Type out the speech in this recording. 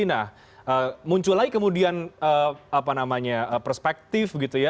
nah muncul lagi kemudian perspektif gitu ya